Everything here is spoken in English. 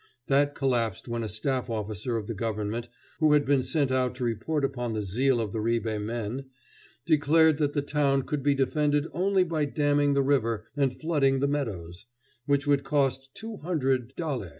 That collapsed when a staff officer of the government, who had been sent out to report upon the zeal of the Ribe men, declared that the town could be defended only by damming the river and flooding the meadows, which would cost two hundred daler.